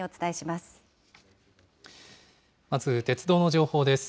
まず、鉄道の情報です。